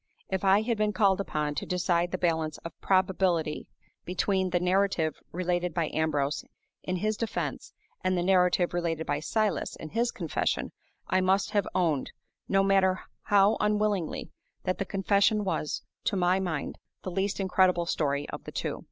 If I had been called upon to decide the balance of probability between the narrative related by Ambrose in his defense and the narrative related by Silas in his confession, I must have owned, no matter how unwillingly, that the confession was, to my mind, the least incredible story of the two.